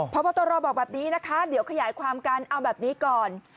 พบตรบอกแบบนี้นะคะเดี๋ยวขยายความกันเอาแบบนี้ก่อน